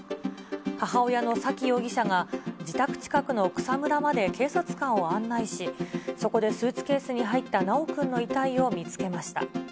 母親の沙喜容疑者が、自宅近くの草むらまで警察官を案内し、そこでスーツケースに入った修くんの遺体を見つけました。